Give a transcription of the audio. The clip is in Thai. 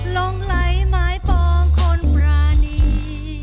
ลงไหลไม้ปองคนปรานี